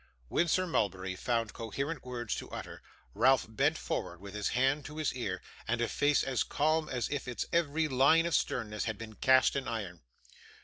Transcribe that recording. When Sir Mulberry found coherent words to utter, Ralph bent forward with his hand to his ear, and a face as calm as if its every line of sternness had been cast in iron.